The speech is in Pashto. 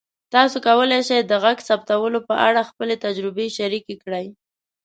تاسو کولی شئ د غږ ثبتولو په اړه خپلې تجربې شریکې کړئ.